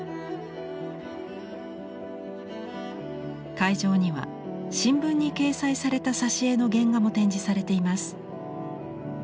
会場には新聞に掲載された挿絵の原画も展示されています。